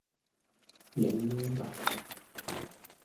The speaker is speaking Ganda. Yannyamba.